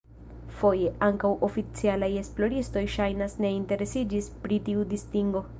Foje, ankaŭ oficialaj esploristoj ŝajnas ne interesiĝis pri tiu distingo.